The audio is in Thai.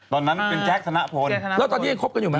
ตอนนั้นเป็นแจ๊คธนพลแล้วตอนนี้ยังคบกันอยู่ไหม